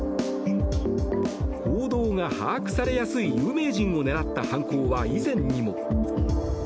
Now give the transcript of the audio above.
行動が把握されやすい有名人を狙った犯行は以前にも。